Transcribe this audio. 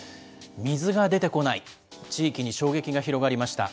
水が出てこない、地域に衝撃が広がりました。